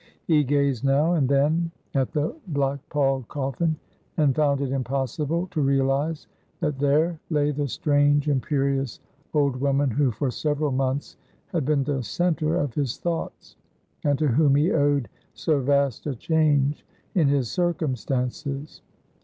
He gazed now and then at the black palled coffin, and found it impossible to realise that there lay the strange, imperious old woman who for several months had been the centre of his thoughts, and to whom he owed so vast a change in his circumstances.